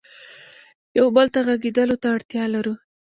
یو بل ته غږېدلو ته اړتیا لرو.